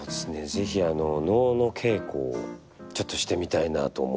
是非能の稽古をちょっとしてみたいなと思ってまして。